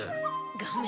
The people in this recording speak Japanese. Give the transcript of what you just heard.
画面